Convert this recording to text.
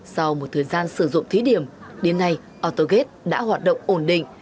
sau một thời gian sử dụng thí điểm đến nay autogate đã hoạt động ổn định